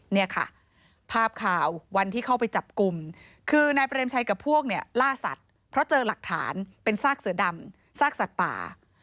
เนี่ยค่ะภาพข่าววันที่เข้าไปจับกลุ่มคือนายเปรมชัยกับพวกเนี่ยล่าสัตว์เพราะเจอหลักฐานเป็นซากเสือดำซากสัตว์ป่า